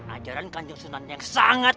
ajaran kanjang sunan yang sangat berbeda